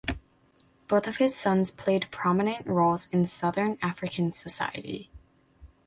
Both of his sons played prominent roles in Southern African society.